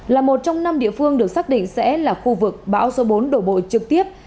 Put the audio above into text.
là một trong năm địa phương được xác định sẽ là khu vực bão số bốn đổ bộ trực tiếp